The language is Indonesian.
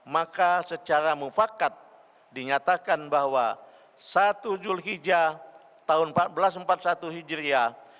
maka secara mufakat dinyatakan bahwa satu julhijah tahun seribu empat ratus empat puluh satu hijriah